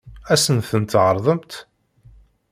Ad sen-ten-tɛeṛḍemt?